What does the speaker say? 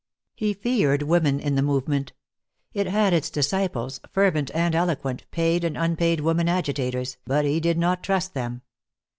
He feared women in the movement. It had its disciples, fervent and eloquent, paid and unpaid women agitators, but he did not trust them.